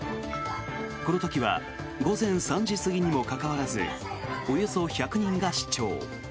この時は午前３時過ぎにもかかわらずおよそ１００人が視聴。